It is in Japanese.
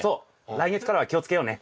来月からは気をつけようね。